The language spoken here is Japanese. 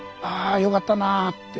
よかったなって。